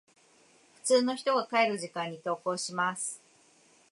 普通の人が帰る時間に登校します。